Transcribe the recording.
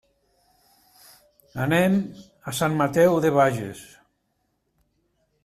Anem a Sant Mateu de Bages.